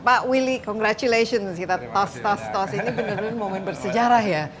pak willy congratulations kita tos tos tos ini benar benar momen bersejarah ya